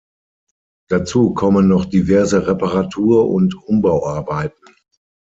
Dazu kommen noch diverse Reparatur- und Umbauarbeiten.